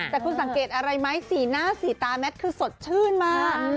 แต่คุณสังเกตอะไรไหมสีหน้าสีตาแมทคือสดชื่นมาก